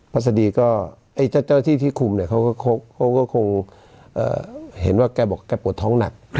พอดีก็ไอ้เจ้าที่ที่คุมเนี่ยเขาก็คงเห็นว่าแกบอกแกปวดท้องหนัก